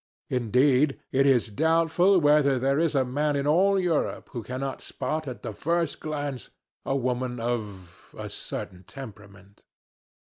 Indeed, it is doubtful whether there is a man in all Europe who cannot spot at the first glance a woman of a certain temperament.